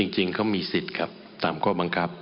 จริงเขามีสิทธิ์ครับตามข้อบังคับ